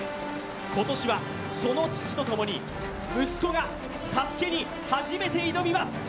今年はその父とともに息子がＳＡＳＵＫＥに初めて挑みます。